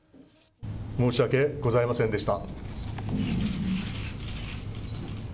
申し訳ございませんでした。